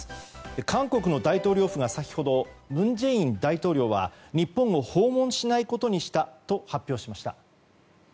韓国の大統領府が先ほど文在寅大統領は日本を訪問しないことにしたと発表しました。